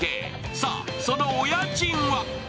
さあ、そのお家賃は？